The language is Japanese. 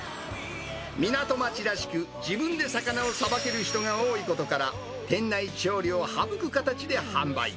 港町らしく自分で魚をさばける人が多いことから、店内調理を省く形で販売。